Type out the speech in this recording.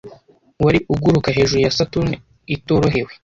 Wari uguruka hejuru ya Saturne itorohewe,